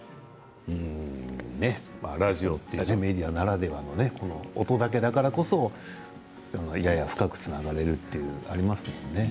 ラジオメディアならではの音だけだからこそ深くつながれるというのがありますね。